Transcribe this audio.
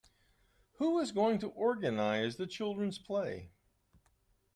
Who is going to organise the children's play?